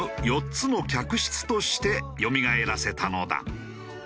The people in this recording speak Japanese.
４つの客室としてよみがえらせたのだ。